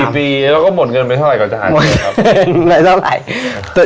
๔ปีเราก็หมดเงินไม่เท่าไหร่ก่อนจะหาเครื่องนี้ด้วยครับ